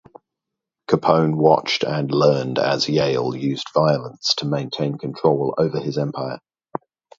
Capone watched and learned as Yale used violence to maintain control over his empire.